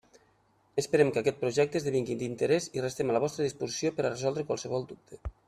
Esperem que aquest projecte esdevingui d'interès i restem a la vostra disposició per a resoldre qualsevol dubte.